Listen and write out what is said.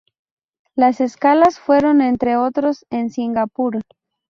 Las escalas fueron, entre otros, en Singapur.